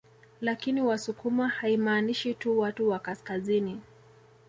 Lakini wasukuma haimaanishi tu watu wa kaskazini